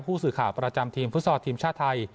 ผู้สื่อข่าวประจำทีมฟุตซอลทีมชาติไทย